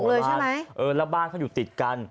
ขโมงเลยใช่ไหมเออแล้วบ้านเขาอยู่ติดกัน